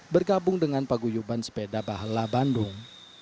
bergabung dengan paguyuban sepeda bahla bandung